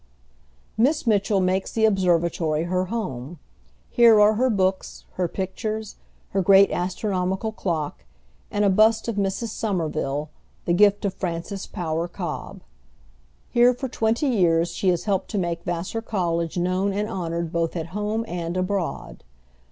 Miss Mitchell makes the observatory her home. Here are her books, her pictures, her great astronomical clock, and a bust of Mrs. Somerville, the gift of Frances Power Cobbe. Here for twenty years she has helped to make Vassar College known and honored both at home and abroad.